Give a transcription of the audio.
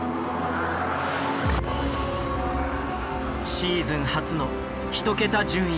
シーズン初の１桁順位。